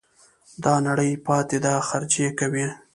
دا نړۍ پاته ده خرچې کوه